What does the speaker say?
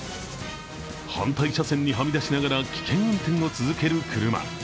反対車線にはみ出しながら危険運転を続ける車。